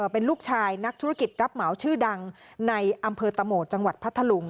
เป็นลูกชายนักธุรกิจรับเหมาชื่อดังในอำเภอตะโหมดจังหวัดพัทธลุง